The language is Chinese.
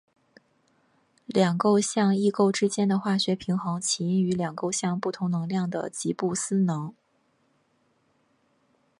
两构象异构之间的化学平衡起因于两构象不同能量的吉布斯能。